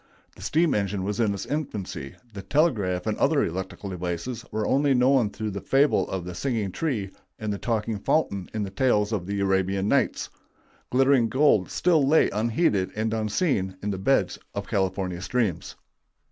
The steam engine was in its infancy; the telegraph and other electrical devices were only known through the fable of the singing tree and the talking fountain in the tales of the Arabian Nights; glittering gold still lay unheeded and unseen in the beds of California streams.